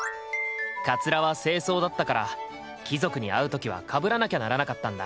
カツラは正装だったから貴族に会う時はかぶらなきゃならなかったんだ。